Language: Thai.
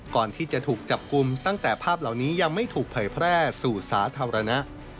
ก่อนที่จะถูกจับกลุ่มตั้งแต่ภาพเหล่านี้ยังไม่ถูกเผยแพร่สู่สาธารณะ